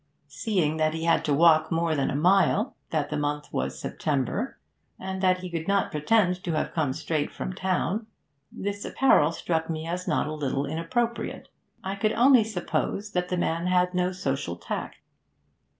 Seeing that he had to walk more than a mile, that the month was September, and that he could not pretend to have come straight from town, this apparel struck me as not a little inappropriate; I could only suppose that the man had no social tact.